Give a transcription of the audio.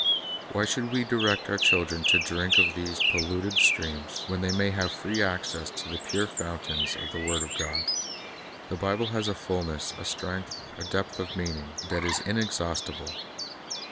Why should we direct our children to drink of these polluted streams, when they may have free access to the pure fountains of the word of God? The Bible has a fulness, a strength, a depth of meaning, that is in exhaustible.